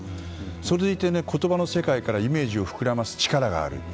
それでいて、言葉の世界からイメージを膨らます力がある。